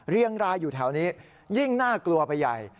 เรียงรายอยู่แถวนี้ยิ่งน่ากลัวไปใหญ่